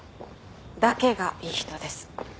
「だけ」がいい人です。